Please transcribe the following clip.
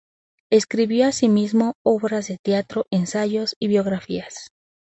Escribió asimismo obras de teatro, ensayos y biografías.